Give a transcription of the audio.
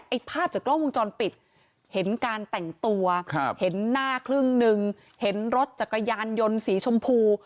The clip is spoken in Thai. ภาพจากกล้องวงจรปิดเห็นการแต่งตัวครับเห็นหน้าครึ่งหนึ่งเห็นรถจักรยานยนต์สีชมพู